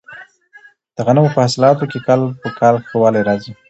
د غنمو په حاصلاتو کې کال په کال ښه والی راځي.